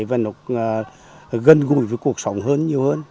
và nó gần gũi với cuộc sống hơn nhiều hơn